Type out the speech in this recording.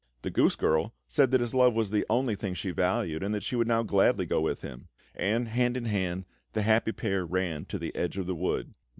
The goose girl said that his love was the only thing she valued, and that she would now gladly go with him; and, hand in hand, the happy pair ran to the edge of the wood.